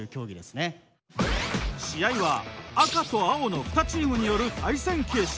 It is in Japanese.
試合は赤と青の２チームによる対戦形式。